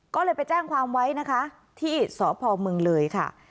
ก็เลยไปแจ้งความไว้นะคะที่สพมเลยค่ะ